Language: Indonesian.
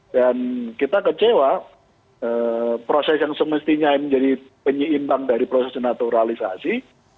dan kita kecewa proses yang semestinya menjadi penyeimbang dari proses naturalisasi